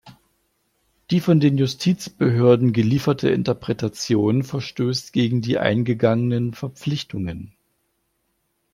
Die von den Justizbehörden gelieferte Interpretation verstößt gegen die eingegangenen Verpflichtungen.